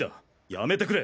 辞めてくれ。